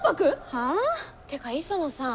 はあ？ってか磯野さん